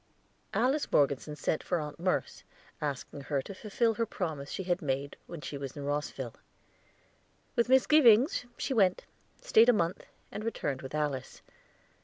Alice Morgeson sent for Aunt Merce, asking her to fulfill the promise she had made when she was in Rosville. With misgivings she went, stayed a month, and returned with Alice.